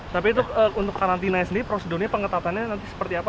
tapi itu untuk karantinanya sendiri prosedurnya pengetatannya nanti seperti apa